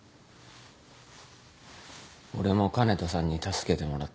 俺も香音人さんに助けてもらった。